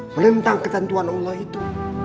menentang ketentuan allah itu